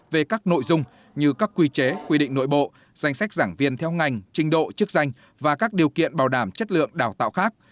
về các nội dung như các quy chế quy định nội bộ danh sách giảng viên theo ngành trình độ chức danh và các điều kiện bảo đảm chất lượng đào tạo khác